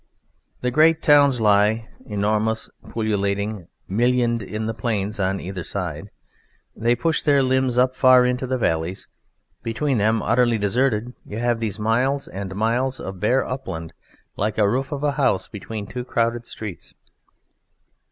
The great towns lie, enormous, pullulating, millioned in the plains on either side; they push their limbs up far into the valleys. Between them, utterly deserted, you have these miles and miles of bare upland, like the roof of a house between two crowded streets.